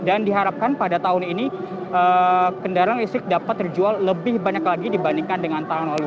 dan diharapkan pada tahun ini kendaraan listrik dapat terjual lebih banyak lagi dibandingkan dengan tahun lalu